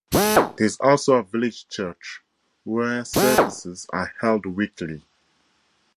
There is also a village church, where services are held weekly.